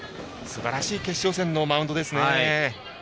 すばらしい決勝戦のマウンドです。